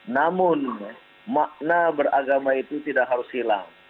namun makna beragama itu tidak harus hilang